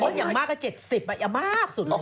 อย่าบอกอย่างมากก็๗๐อย่างมากสุดเลย